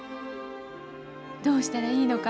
どうしたらいいのか